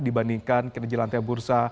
dibandingkan kinerja lantai bursa